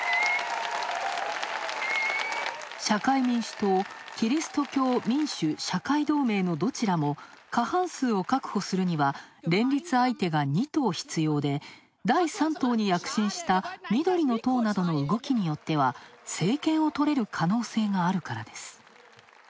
社会民主党、キリスト教民主・社会同盟のどちらも過半数を確保するには連立相手が２党必要で第３党に躍進した緑の党などの動きによっては政権をとれる可能性があるからです。